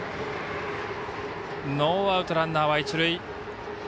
ノーアウト、ランナーは一塁。